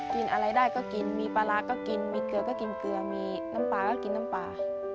กินอะไรได้ก็กินมีปลาร้าก็กินมีเกลือก็กินเกลือมีน้ำปลาก็กินน้ำปลา